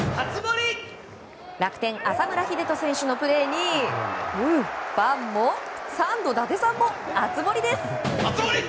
楽天、浅村栄斗選手のプレーにファンも、サンド伊達さんも熱盛です！